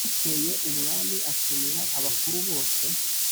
Bukeye umwami atumira abakuru bose